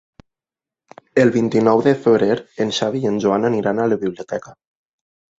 El vint-i-nou de febrer en Xavi i en Joan aniran a la biblioteca.